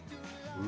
うん！